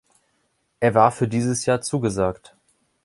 Er war für dieses Jahr zugesagt.